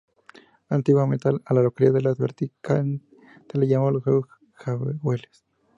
Antiguamente a la localidad de Las Vertientes se la llamaba "Los Jagüeles".